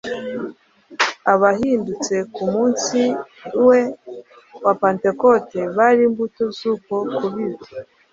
Abahindutse ku munsi we Pentekote bari imbuto z’uko kubiba,